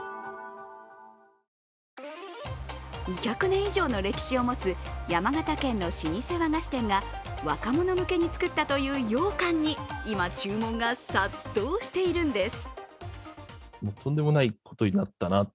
２００年以上の歴史を持つ山形県の老舗和菓子店が若者向けに作ったというようかんに今、注文が殺到しているんです。